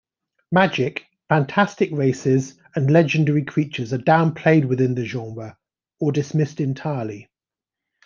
Magic, fantastic races, and legendary creatures are downplayed within the genre, or dismissed entirely.